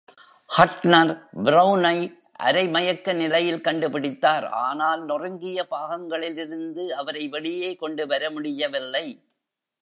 ஹட்னர், பிரவுனை அரை மயக்க நிலையில் கண்டுபிடித்தார், ஆனால் நொறுங்கிய பாகங்களிலிருந்து அவரை வெளியே கொண்டுவர முடியவில்லை.